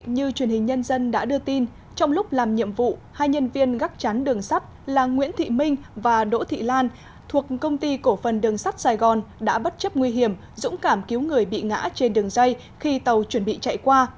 như truyền hình nhân dân đã đưa tin trong lúc làm nhiệm vụ hai nhân viên gắt chán đường sắt là nguyễn thị minh và đỗ thị lan thuộc công ty cổ phần đường sắt sài gòn đã bất chấp nguy hiểm dũng cảm cứu người bị ngã trên đường dây khi tàu chuẩn bị chạy qua